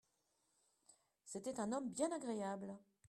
C'était un homme bien agréable